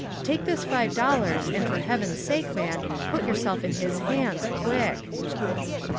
Take this five dollars, and for heaven's sake, man, put yourself in his hands quick."